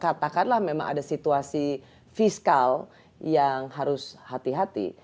katakanlah memang ada situasi fiskal yang harus hati hati